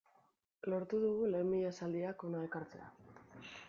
Lortu dugu lehen mila esaldiak hona ekartzea.